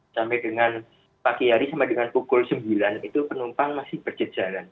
sampai dengan pagi hari sampai dengan pukul sembilan itu penumpang masih berjejalan